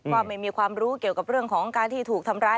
ว่าไม่มีความรู้เกี่ยวกับเรื่องของการที่ถูกทำร้าย